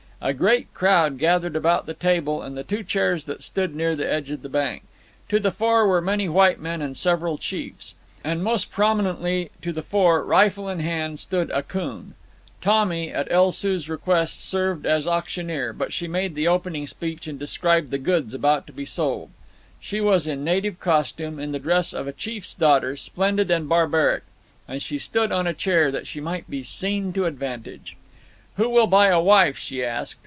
A great crowd gathered about the table and the two chairs that stood near the edge of the bank. To the fore were many white men and several chiefs. And most prominently to the fore, rifle in hand, stood Akoon. Tommy, at El Soo's request, served as auctioneer, but she made the opening speech and described the goods about to be sold. She was in native costume, in the dress of a chief's daughter, splendid and barbaric, and she stood on a chair, that she might be seen to advantage. "Who will buy a wife?" she asked.